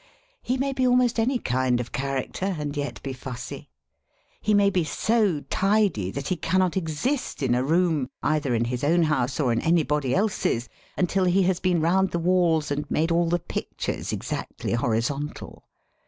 He may be ahnost any kind of character, and jet be fussy. He may be so tidy that he cannot exist in a room, either in his own house or in anybody else's, until he has been round the walls and made all the pic tures exactly horizontal.